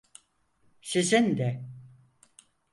Sizin de…